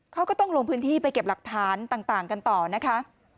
เขาก็ต้องลงพื้นที่ไปเก็บหลักฐานต่างกันต่อนะคะ